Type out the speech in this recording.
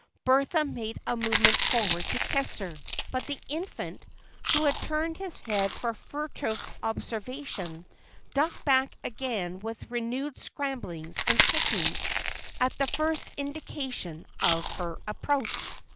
Bertha made a movement forward to kiss her, but the infant, who had turned his head for furtive observation, ducked back again with renewed scramblings and kicking at the first indication of her approach.